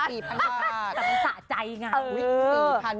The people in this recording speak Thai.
แต่มันสะใจไง